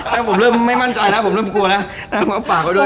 แต่ผมเริ่มไม่มั่นใจนะผมเริ่มกลัวแล้ว